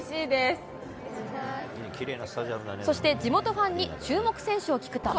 そして地元ファンに注目選手を聞くと。